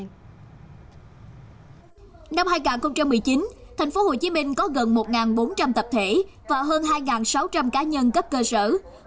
năm hai nghìn một mươi chín tp hcm có gần một bốn trăm linh tập thể và hơn hai sáu trăm linh cá nhân cấp cơ sở